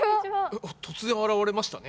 突然現れましたね。